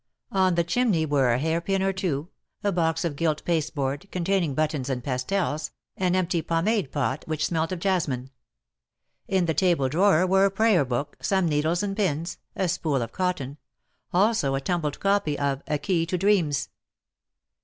On the chimney were a hair pin or two, a box of gilt pasteboard, contain ing buttons and pastelles, an empty pomade pot which smelt of jasmine. In the table drawer were a prayer book, some needles and pins, a spool of cotton — also a tumbled copy of ^^A Key to Dreams."